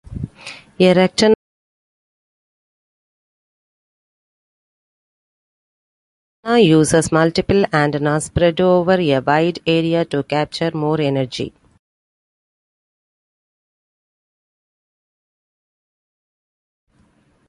A Rectenna uses multiple antennas spread over a wide area to capture more energy.